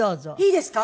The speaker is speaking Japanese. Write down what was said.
いいですか？